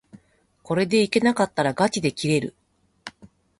これでいけなかったらがちで切れる